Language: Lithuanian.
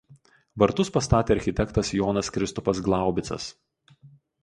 Vartus pastatė architektas Jonas Kristupas Glaubicas.